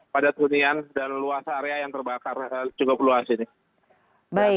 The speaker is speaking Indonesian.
padat hunian dan luas area yang terbakar cukup luas ini